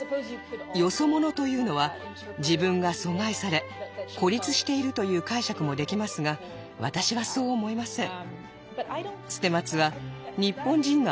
「よそ者」というのは自分が阻害され孤立しているという解釈もできますが私はそう思いません。